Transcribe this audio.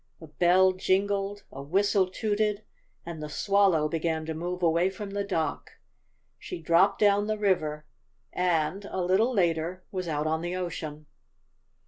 A bell jingled, a whistle tooted and the Swallow began to move away from the dock. She dropped down the river and, a little later, was out on the ocean.